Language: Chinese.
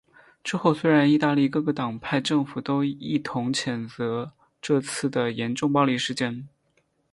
之后虽然意大利各个党派政府都一同谴责这次的严重暴力事件。